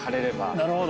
なるほど。